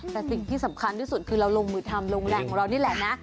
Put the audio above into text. แต่สิ่งที่สำคัญที่สุดคือเราลงมือทำโรงแรมของเรานี่แหละนะ